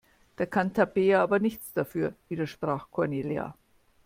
Da kann Tabea aber nichts für, widersprach Cornelia.